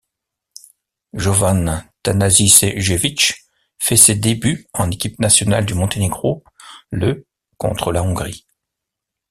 Jovan Tanasijević fait ses débuts en équipe nationale du Monténégro le contre la Hongrie.